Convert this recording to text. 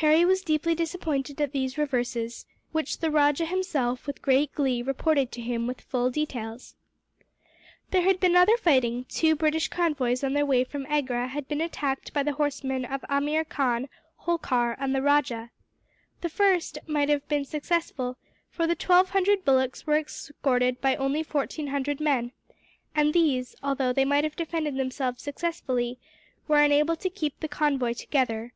Harry was deeply disappointed at these reverses, which the rajah himself, with great glee, reported to him with full details. There had been other fighting: two British convoys on their way from Agra had been attacked by the horsemen of Ameer Khan, Holkar, and the rajah. The first might have been successful, for the twelve hundred bullocks were escorted by only fourteen hundred men; and these, although they might have defended themselves successfully, were unable to keep the convoy together.